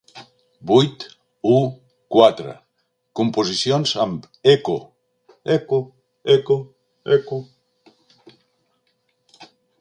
Vuit.u.quatre. composicions amb eco —eco eco eco...